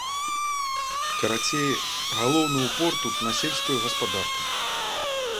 Карацей, галоўны упор тут на сельскую гаспадарку.